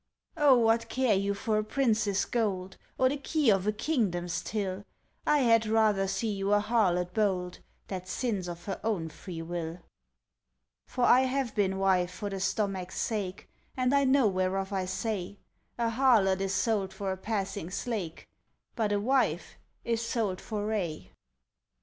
"Oh, what care you for a prince's gold, Or the key of a kingdom's till? I had rather see you a harlot bold That sins of her own free will. "For I have been wife for the stomach's sake, And I know whereof I say; A harlot is sold for a passing slake, But a wife is sold for aye.